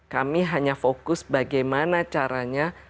kami hanya fokus bagaimana caranya